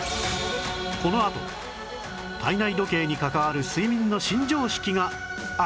このあと体内時計に関わる睡眠の新常識が明らかに！